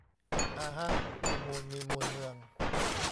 อาฮะ มีมูล มีมูลเมือง